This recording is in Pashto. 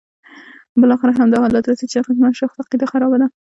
بالاخره همدا حالت راځي چې د اغېزمن شخص عقیده خرابه ده.